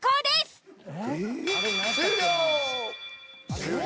終了！